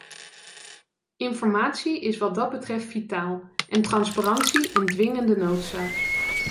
Informatie is wat dat betreft vitaal en transparantie een dwingende noodzaak.